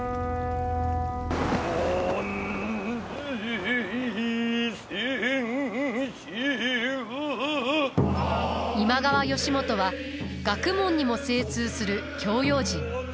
万歳千秋今川義元は学問にも精通する教養人。